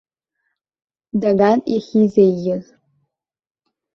Даган иахьизеиӷьыз.